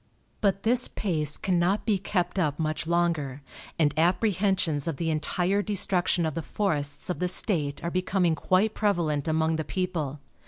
But this pace cannot be kept up much longer, and apprehensions of the entire destruction of the forests of the state are becoming quite prevalent among the people.